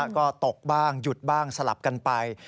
ก็ตกบ้างหยุดบ้างสลับกันไป